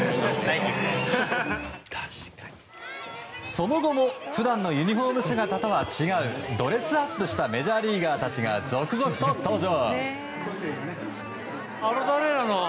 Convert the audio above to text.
その後も普段のユニホーム姿とは違うドレスアップしたメジャーリーガーたちが続々と登場。